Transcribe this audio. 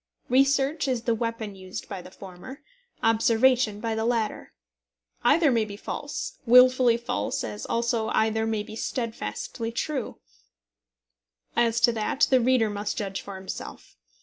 Research is the weapon used by the former; observation by the latter. Either may be false, wilfully false; as also may either be steadfastly true. As to that, the reader must judge for himself.